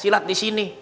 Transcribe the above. dia ngelihat di sini